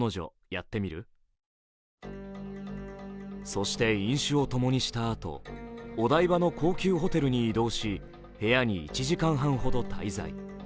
そして、飲酒をともにしたあとお台場の高級ホテルに移動し部屋に１時間ほど滞在。